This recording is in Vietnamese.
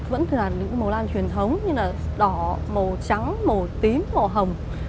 vẫn thường là những màu lan truyền thống như là đỏ màu trắng màu tím màu hồng